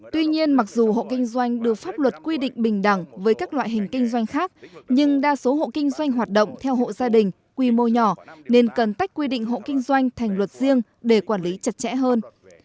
tuy nhiên mặc dù hộ kinh doanh đưa pháp luật quy định bình đẳng với các loại hình kinh doanh khác nhưng đa số hộ kinh doanh hoạt động theo hộ gia đình quy mô nhỏ nên cần tách quy định hộ kinh doanh thành luật riêng để quản lý chặt chẽ hơn